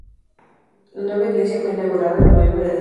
La nueva iglesia fue inaugurada en noviembre de ese año.